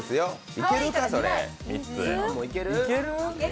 いけるか、それ、３つ。